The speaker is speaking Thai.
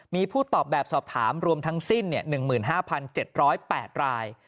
มีผู้ตอบแบบสอบถามรวมทั้งสิ้น๑๕๗๐๘ราย